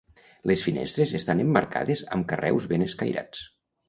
Les finestres estan emmarcades amb carreus ben escairats.